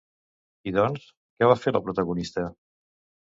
I doncs, què va fer la protagonista?